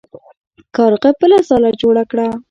کارغه بله ځاله جوړه کړه.